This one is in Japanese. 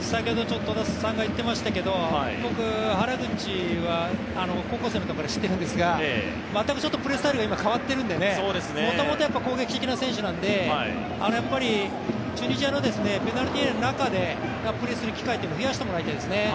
原口は高校生のときから知ってるんですが、全くプレースタイルが変わっているのでもともと攻撃的な選手なのでチュニジアのペナルティーエリアの中でプレーする機会を増やしてほしいですね。